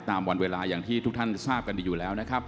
ตามวันเวลาอย่างที่ทุกท่านทราบกันอยู่แล้ว